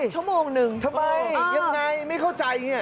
ทำไมยังไงไม่เข้าใจ